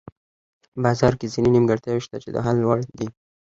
بازار کې ځینې نیمګړتیاوې شته چې د حل وړ دي.